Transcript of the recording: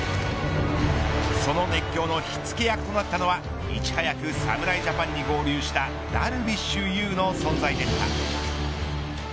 その熱狂の火付け役となったのはいち早く侍ジャパンに合流したダルビッシュ有の存在でした。